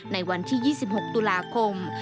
ในวันที่๒๖ตุลาคม